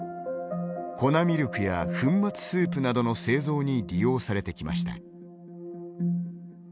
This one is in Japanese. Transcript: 粉ミルクや粉末スープなどの製造に利用されてきました。